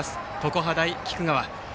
常葉大菊川。